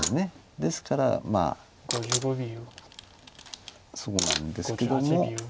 ですからそうなんですけども。